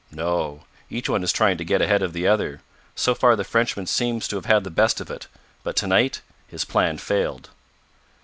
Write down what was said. "No; each one is trying to get ahead of the other. So far the Frenchman seems to have had the best of it. But to night his plan failed."